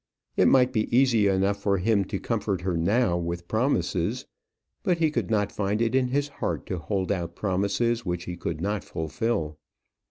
It might be easy enough for him to comfort her now with promises; but he could not find it in his heart to hold out promises which he could not fulfil.